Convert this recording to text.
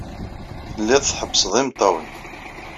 Telliḍ tḥebbseḍ imeṭṭawen.